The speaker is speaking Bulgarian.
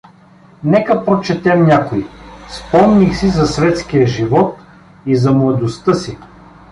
Нека прочетем някои: Спомних си за светския живот и за младостта си.